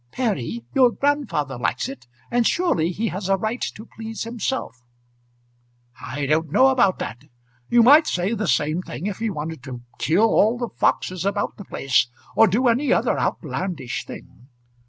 "Perry, your grandfather likes it; and surely he has a right to please himself." "I don't know about that. You might say the same thing if he wanted to kill all the foxes about the place, or do any other outlandish thing.